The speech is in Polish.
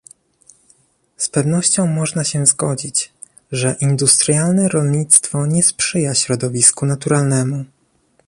Z pewnością można się zgodzić, że industrialne rolnictwo nie sprzyja środowisku naturalnemu